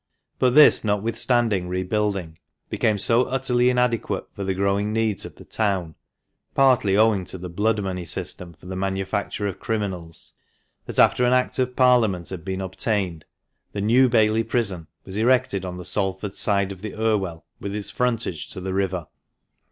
But this, notwithstanding re building, became so utterly inadequate for the growing needs of the town (partly owing to the blood money system for the manufacture of criminals), that after an Act oi Parliament had been obtained, the New Bailey Prison was erected on the Salford side of the Irwell, with its frontage to the river.